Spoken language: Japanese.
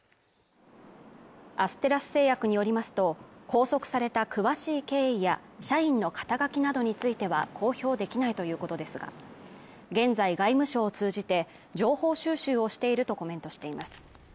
アステラス製薬によりますと、拘束された詳しい経緯や、社員の肩書きなどについては公表できないということですが、現在外務省を通じて情報収集をしているとコメントしています。